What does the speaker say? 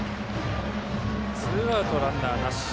ツーアウト、ランナーなし。